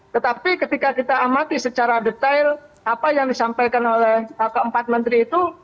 tetapi ketika kita amati secara detail apa yang disampaikan oleh keempat menteri itu